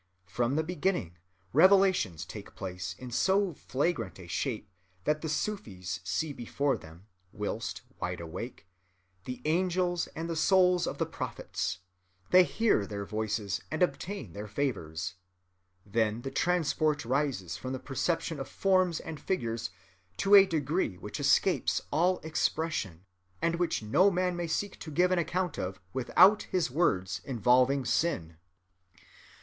From the beginning, revelations take place in so flagrant a shape that the Sufis see before them, whilst wide awake, the angels and the souls of the prophets. They hear their voices and obtain their favors. Then the transport rises from the perception of forms and figures to a degree which escapes all expression, and which no man may seek to give an account of without his words involving sin.